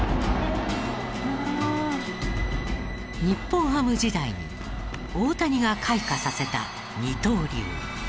日本ハム時代に大谷が開花させた二刀流。